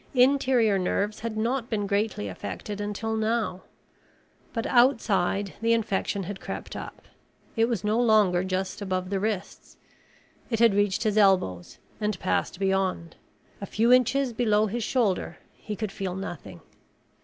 Interior nerves had not been greatly affected until now. But outside the infection had crept up. It was no longer just above the wrists. It had reached his elbows and passed beyond. A few inches below his shoulder he could feel nothing.